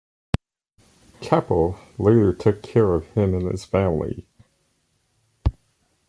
Keppel later took care of him and his family.